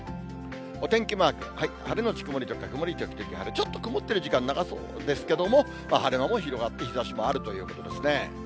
お天気マーク、晴れ後曇りとか時々晴れ、ちょっと曇っている時間長そうですけど、晴れ間も広がって日ざしもあるということですね。